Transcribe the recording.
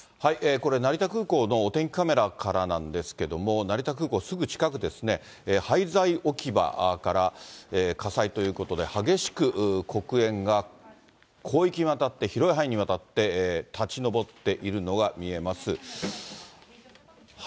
これ、成田空港のお天気カメラからなんですけども、成田空港、すぐ近くですね、廃材置き場から火災ということで、激しく黒煙が広域にわたって、広い範囲にわたって立ち上っているのが見えます。